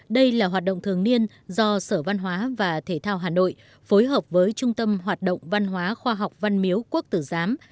đây là hoạt động thường niên do sở văn hóa và thể thao hà nội phối hợp với trung tâm hoạt động văn hóa khoa học văn miếu quốc tử giám